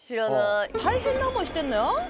大変な思いしてんのよ本当。